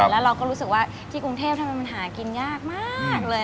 แล้วเราก็รู้สึกว่าที่กรุงเทพทำไมมันหากินยากมากเลย